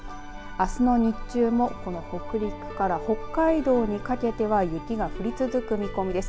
あすの日中も、この北陸から北海道にかけては雪が降り続く見込みです。